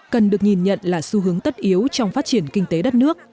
cần được nhìn nhận là xu hướng tất yếu trong phát triển kinh tế đất nước